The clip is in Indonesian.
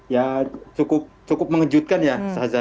ya cukup mengejutkan ya saza